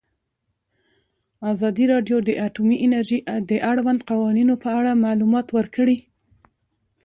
ازادي راډیو د اټومي انرژي د اړونده قوانینو په اړه معلومات ورکړي.